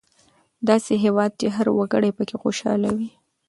داسې هېواد چې هر وګړی پکې خوشحاله وي.